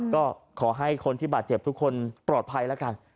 ก็ขอให้คนที่บาดเจ็บทุกคนปลอดภัยแล้วกัน